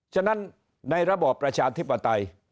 ฉะนั้นในระบอบประชาธิปไตย